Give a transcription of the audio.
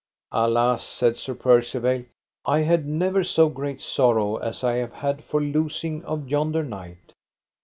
Alas, said Sir Percivale, I had never so great sorrow as I have had for losing of yonder knight.